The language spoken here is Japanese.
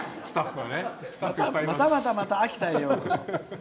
「またまたまた秋田へようこそ。